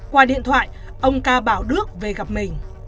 qua điện thoại ông ca bảo đước về gặp mình